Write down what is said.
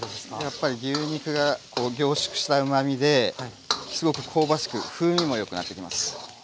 やっぱり牛肉が凝縮したうまみですごく香ばしく風味もよくなってきます。